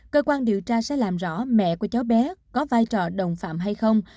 cơ quan điều tra sẽ làm rõ mẹ của cháu bé có vai trò đồng phạm hay không